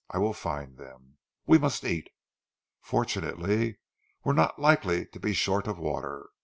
I will find them. We must eat. Fortunately we're not likely to be short of water."